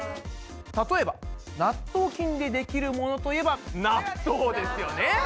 例えば納豆菌でできるものといえば納豆ですよね。